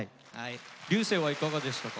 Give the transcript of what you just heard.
流星はいかがでしたか？